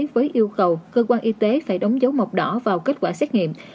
với yêu cầu cơ quan y tế phải đóng dấu mật đỏ vào kết quả xét nghiệm